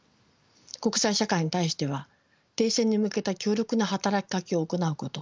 国際社会に対しては停戦に向けた強力な働きかけを行うこと